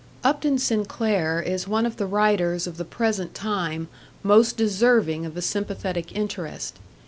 Upton Sinclair is one of the writers of the present time most deserving of a sympathetic interest.